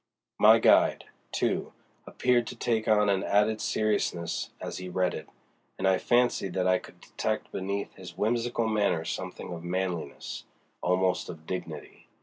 My guide, too, appeared to take on an added seriousness as he read it, and I fancied that I could detect beneath his whimsical manner something of manliness, almost of dignity.